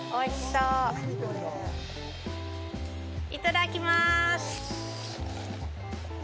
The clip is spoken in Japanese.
いただきます。